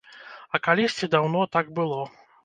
А калісьці, даўно, так было.